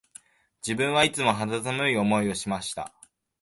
自分はいつも肌寒い思いをしました